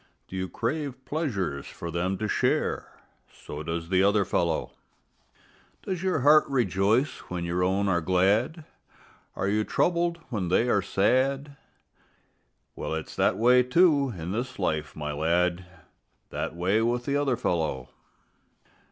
Do you crave pleasures for them to share? So does the other fellow. Does your heart rejoice when your own are glad? And are you troubled when they are sad? Well, it's that way, too, in this life, my lad, That way with the other fellow.